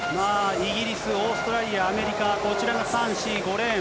イギリス、オーストラリア、アメリカ、こちらが３、４、５レーン。